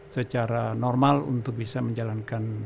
secara normal untuk bisa menjalankan